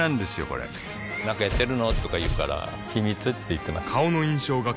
これなんかやってるの？とか言うから秘密って言ってます